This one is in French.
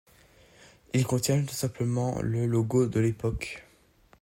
Ils contiennent tout simplement le logo de l'époque.